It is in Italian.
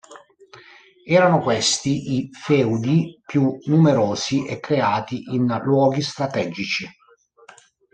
Erano questi i feudi più numerosi e creati in luoghi strategici.